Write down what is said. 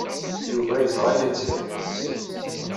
Yuba yeẓra aya d tikerkas.